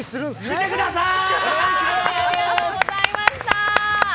見てください！